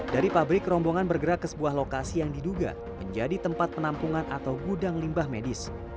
dari pabrik rombongan bergerak ke sebuah lokasi yang diduga menjadi tempat penampungan atau gudang limbah medis